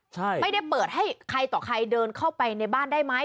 ใช่ไม่ได้เปิดให้ใครต่อใครเดินเข้าไปในบ้านได้ไหม